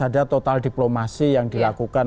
ada total diplomasi yang dilakukan